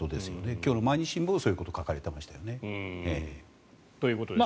今日の毎日新聞もそういうことを書かれていましたよね。ということです。